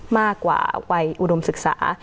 มากกว่าวัยอุดมศึกษา